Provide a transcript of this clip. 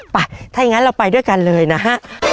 ไปถ้าอย่างนั้นเราไปด้วยกันเลยนะฮะ